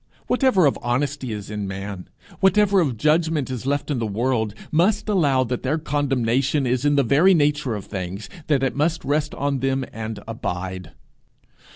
Whatever of honesty is in man, whatever of judgment is left in the world, must allow that their condemnation is in the very nature of things, that it must rest on them and abide.